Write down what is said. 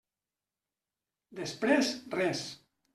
Després, res.